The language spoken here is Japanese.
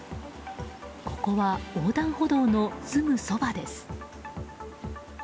ここは横断歩道のすぐそばです。